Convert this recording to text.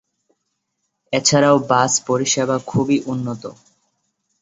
এছাড়াও বাস পরিষেবা খুবই উন্নত।